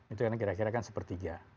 itu kan kira kira kan sepertiga